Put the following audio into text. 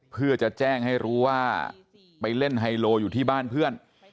เพื่อจะแจ้งให้รู้ว่าไปเล่นไฮโลอยู่ที่บ้านเพื่อน